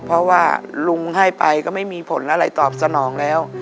เพราะว่าลุงให้ไปก็ไม่มีผลอะไรตอบสนองแล้ว